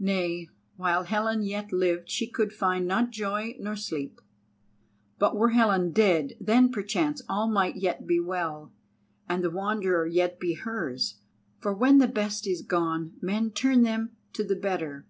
Nay, while Helen yet lived she could find nor joy nor sleep. But were Helen dead, then perchance all might yet be well, and the Wanderer yet be hers, for when the best is gone men turn them to the better.